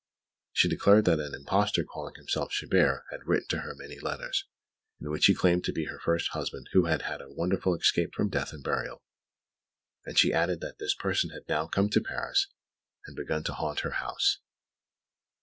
She declared that an impostor calling himself Chabert had written to her many letters, in which he claimed to be her first husband who had had a wonderful escape from death and burial; and she added that this person had now come to Paris and begun to haunt her house.